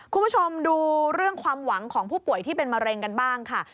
คุณผู้ชมดูเรื่องความหวังของผู้ป่วยที่เป็นมะเร็งกันบ้างค่ะ